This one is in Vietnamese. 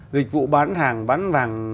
dịch vụ bán hàng bán vàng